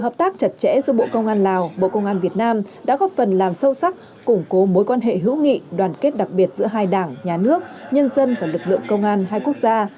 bộ công an việt nam đã góp phần làm sâu sắc củng cố mối quan hệ hữu nghị đoàn kết đặc biệt giữa hai đảng nhà nước nhân dân và lực lượng công an hai quốc gia